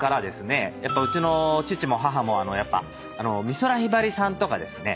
やっぱうちの父も母も美空ひばりさんとかですね